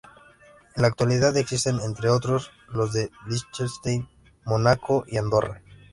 En la actualidad existen, entre otros, los de Liechtenstein, Mónaco y Andorra.